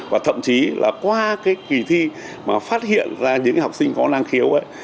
và thậm chí là qua cái kỳ thi mà phát hiện ra những học sinh có năng khiếu ấy